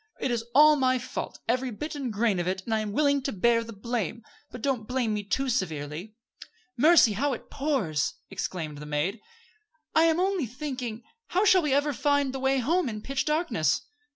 It is all my fault, every bit and grain of it, and I am willing to bear the blame; but don't blame me too severely." "Mercy! how it pours!" exclaimed the maid. "I am only thinking how shall we ever find the way home in pitch darkness?"